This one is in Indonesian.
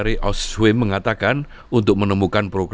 dan keluarga anda di luar air